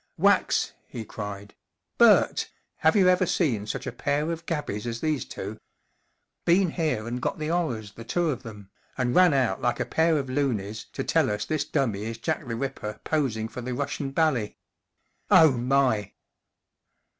44 Wax !" he cried. 44 Bert! have you ever seen such a pair of gabies as these two ? Been here and got the 'orrors, the two of them, and ran out like a pair of loonies to tell us this dummy is Jack the Ripper posing for the Russian bally. Oh, my